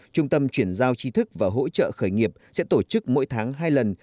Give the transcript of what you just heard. công chuyển giao trí thức và hỗ trợ khởi nghiệp sẽ tổ chức mỗi tháng hai lần